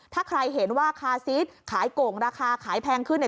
ถ้าใครเห็นว่าคาซีสขายโก่งราคาขายแพงขึ้น